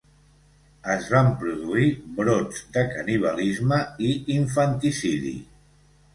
Es van produir brots de canibalisme i infanticidi.